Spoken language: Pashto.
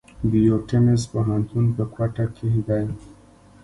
بيوټمز پوهنتون په کوټه کښي دی.